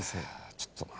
ちょっとね。